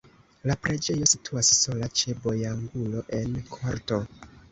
La preĝejo situas sola ĉe vojangulo en korto.